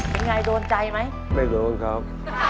เย็นไงโดนใจมั้ยไม่รู้ครับ